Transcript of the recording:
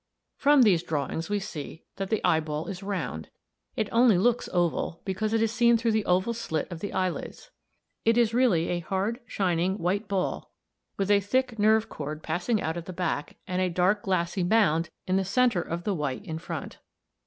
From these drawings we see that the eyeball is round; it only looks oval, because it is seen through the oval slit of the eyelids. It is really a hard, shining, white ball with a thick nerve cord (on, Fig. 11) passing out at the back, and a dark glassy mound c, c in the centre of the white in front.